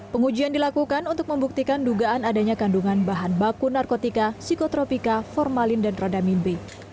pengujian dilakukan untuk membuktikan dugaan adanya kandungan bahan baku narkotika psikotropika formalin dan rodamin b